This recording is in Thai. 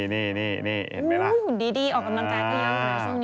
นี่เห็นไหมล่ะดีออกกำลังกายเตียง